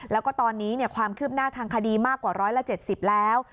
แล้วก็ตอนนี้ความคืบหน้าทางคดีมากกว่า๑๗๐แล้ว